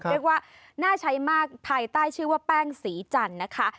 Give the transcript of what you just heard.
เรียกว่าน่าใช้มากภายใต้ชื่อว่าแป้งสีจันทร์นะคะ